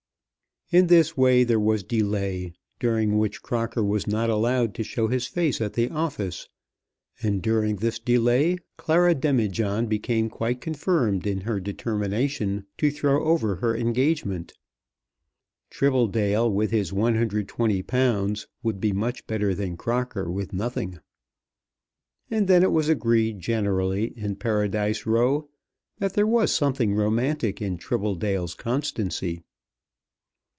In this way there was delay, during which Crocker was not allowed to show his face at the office, and during this delay Clara Demijohn became quite confirmed in her determination to throw over her engagement. Tribbledale with his £120 would be much better than Crocker with nothing. And then it was agreed generally in Paradise Row that there was something romantic in Tribbledale's constancy.